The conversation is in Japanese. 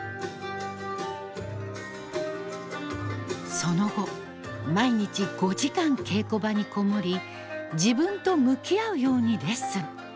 その後毎日５時間稽古場にこもり自分と向き合うようにレッスン。